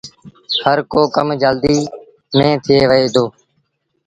هر ڪو ڪم جلديٚ نيٚن ٿئي وهي دو۔